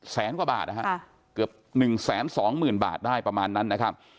แสนกว่าบาทนะครับเกือบ๑แสน๒หมื่นบาทได้ประมาณนั้นนะครับ